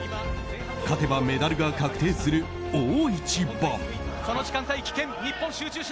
勝てばメダルが確定する大一番。